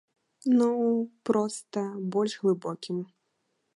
Ну, проста, больш глыбокім.